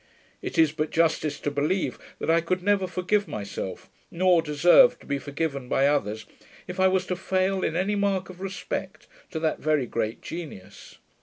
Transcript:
It is but justice to believe, that I could never forgive myself, nor deserve to be forgiven by others, if I was to foil in any mark of respect to that very great genius.